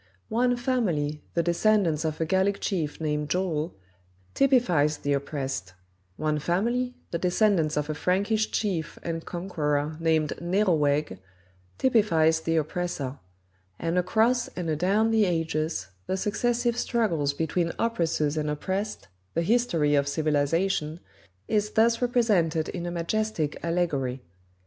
One family, the descendants of a Gallic chief named Joel, typifies the oppressed; one family, the descendants of a Frankish chief and conqueror named Neroweg, typifies the oppressor; and across and adown the ages, the successive struggles between oppressors and oppressed the history of civilization is thus represented in a majestic allegory.